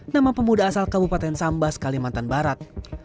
nama pemuda asal kabupaten sambas kalimantan barat